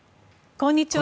こんにちは。